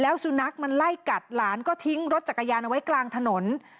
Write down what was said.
แล้วซูนักมันไล่กัดลารนี่ก็ทิ้งรถจักรยานเอาไว้กลางถนน